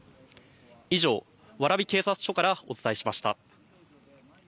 以上、蕨警察署からお伝えしました。